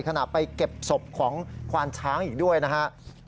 ขณะไปเก็บศพของควานช้างอีกด้วยนะครับ